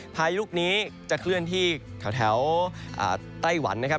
พายุลูกนี้จะเคลื่อนที่แถวไต้หวันนะครับ